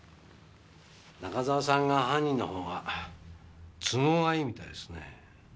中澤さんが犯人のほうが都合がいいみたいですね。